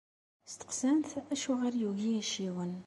Steqsan-t acuɣer yugi aciwen.